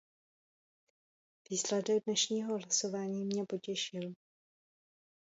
Výsledek dnešního hlasování mě potěšil.